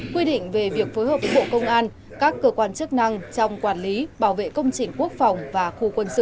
quy định về việc phối hợp với bộ công an các cơ quan chức năng trong quản lý bảo vệ công trình quốc phòng và khu quân sự